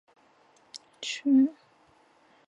山西省五台县人。